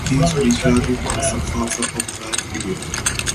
He is regarded as the father of light beer.